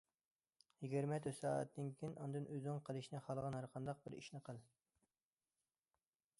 يىگىرمە تۆت سائەتتىن كېيىن ئاندىن ئۆزۈڭ قىلىشنى خالىغان ھەر قانداق بىر ئىشنى قىل.